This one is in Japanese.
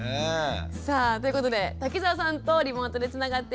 さあということで瀧澤さんとリモートでつながっています。